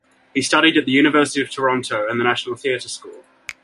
He studied at the University of Toronto, and the National Theatre School.